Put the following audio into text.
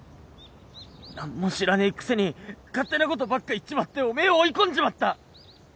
何も知らねえくせに勝手なことばっか言っちまっておめえを追い込んじまった！